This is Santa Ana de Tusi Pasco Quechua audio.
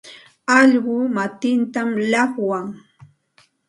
Allquu matintam llaqwan.